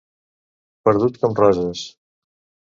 Perdut com Roses.